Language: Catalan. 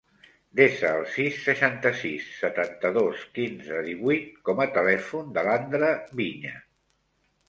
Desa el sis, seixanta-sis, setanta-dos, quinze, divuit com a telèfon de l'Andra Viña.